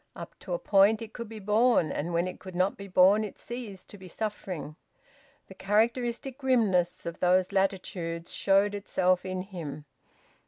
Up to a point it could be borne, and when it could not be borne it ceased to be suffering. The characteristic grimness of those latitudes showed itself in him.